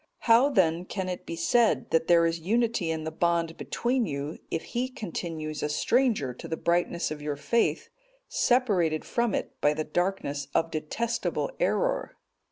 '(223) How then can it be said, that there is unity in the bond between you, if he continues a stranger to the brightness of your faith, separated from it by the darkness of detestable error?